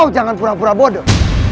jangan pura pura bodoh